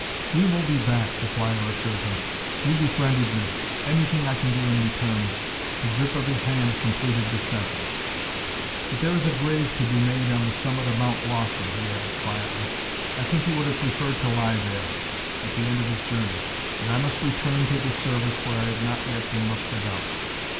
"We will be back," the flyer assured him. "You befriended me: anything I can do in return " The grip of his hand completed the sentence. "But there is a grave to be made on the summit of Mount Lawson," he added quietly. "I think he would have preferred to lie there at the end of his journey and I must return to the service where I have not yet been mustered out."